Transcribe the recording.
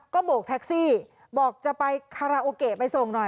ก็โบกแท็กซี่บอกจะไปคาราโอเกะไปส่งหน่อย